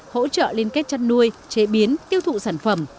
hỗ trợ liên kết chăn nuôi chế biến tiêu thụ sản phẩm